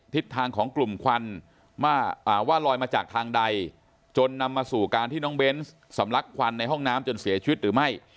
ทิศทางของกลุ่มควันว่าลอยมาจากทางใดจนนำมาสู่การที่น้องเบนส์สำลักควันในห้องน้ำจนเสียชีวิตหรือไม่